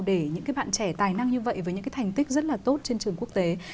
để những cái bạn trẻ tài năng như vậy với những cái thành tích rất là tốt trên trường quốc tế